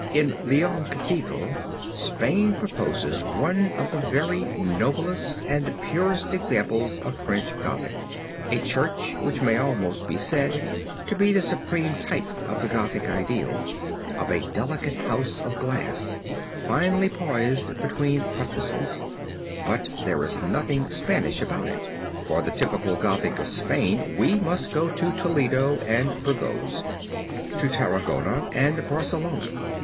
In Leon Cathedral, Spain possesses one of the very noblest and purest examples of French Gothic a church which may almost be said to be the supreme type of the Gothic ideal, of a delicate house of glass finely poised between buttresses; but there is nothing Spanish about it. For the typical Gothic of Spain we must go to Toledo and Burgos, to Tarragona and Barcelona.